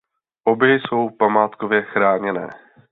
Obě jsou památkově chráněné.